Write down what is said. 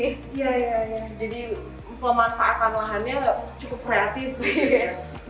iya jadi pemanfaatan lahannya cukup kreatif